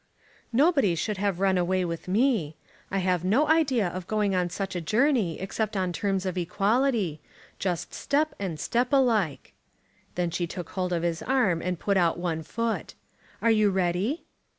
"Nobody should have run away with me. I have no idea of going on such a journey except on terms of equality, just step and step alike." Then she took hold of his arm and put out one foot. "Are you ready?"